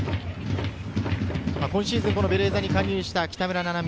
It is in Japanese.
今シーズン、ベレーザに加入した北村菜々美。